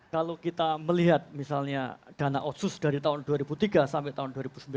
kalau kita melihat misalnya dana otsus dari tahun dua ribu tiga sampai tahun dua ribu sembilan